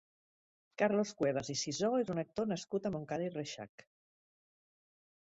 Carlos Cuevas i Sisó és un actor nascut a Montcada i Reixac.